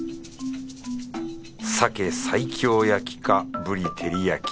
サケ西京焼きかぶり照焼き。